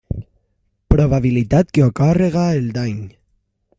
Probabilitat que ocórrega el dany.